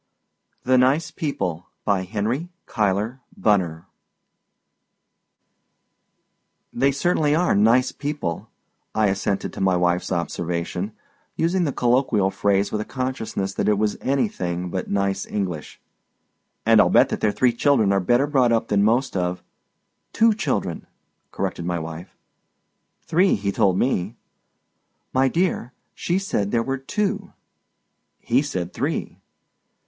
THE NICE PEOPLE By Henry Cuyler Bunner (1855–1896) "They certainly are nice people," I assented to my wife's observation, using the colloquial phrase with a consciousness that it was anything but "nice" English, "and I'll bet that their three children are better brought up than most of——" "Two children," corrected my wife. "Three, he told me." "My dear, she said there were two." "He said three."